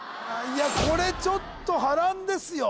これちょっと波乱ですよ